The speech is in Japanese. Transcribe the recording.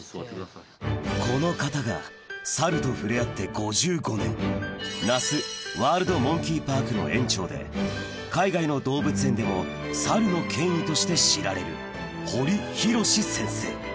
この方がサルと触れ合って５５年那須ワールドモンキーパークの園長で海外の動物園でもサルの権威として知られる堀浩先生